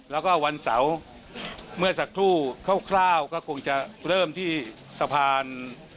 แล้วก็วันเสาร์เมื่อสักครู่คร่าวก็คงจะเริ่มที่สะพาน